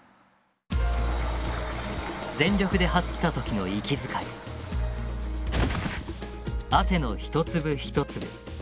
全力で走った時の息遣い汗の一粒一粒。